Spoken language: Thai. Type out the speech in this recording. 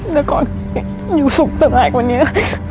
แล้วก่อนอยู่สุขสำหรับกว่านี้